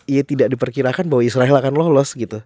ya tidak diperkirakan bahwa israel akan lolos gitu